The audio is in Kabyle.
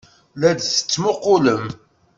La d-tettmuqqulem.